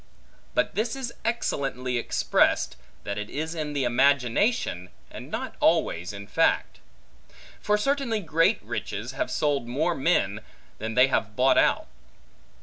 But this is excellently expressed, that it is in imagination, and not always in fact. For certainly great riches, have sold more men, than they have bought out.